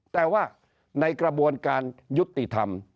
แต่ว่าในกระบวนการยุติธรรม